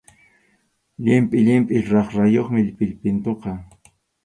Llimpʼi llimpʼi raprayuqmi pillpintuqa.